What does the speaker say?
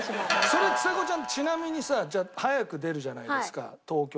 それちさ子ちゃんちなみにさじゃあ早く出るじゃないですか東京。